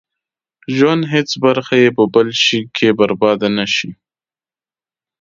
ژوند هېڅ برخه يې په بل شي کې برباده نه شي.